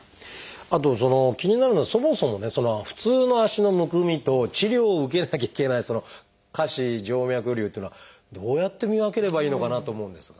あと気になるのはそもそもね普通の足のむくみと治療を受けなきゃいけない下肢静脈りゅうっていうのはどうやって見分ければいいのかなと思うんですが。